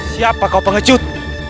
siapa kau pengecut